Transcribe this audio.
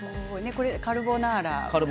カルボナーラ。